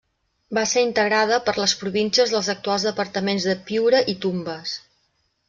Va ser integrada per les províncies dels actuals departaments de Piura i Tumbes.